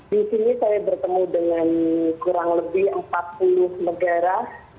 di sini saya bertemu dengan kurang lebih empat puluh negara